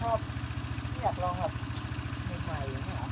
ไม่อยากลองหรอ